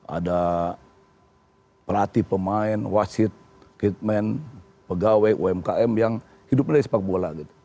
ada pelatih pemain wasit kitman pegawai umkm yang hidup dari sepak bola